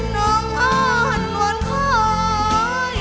น้องอ้อนมวลคอย